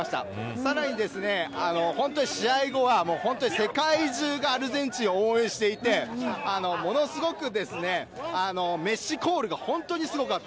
さらに、試合後は世界中がアルゼンチンを応援していてものすごく、メッシコールが本当にすごかった。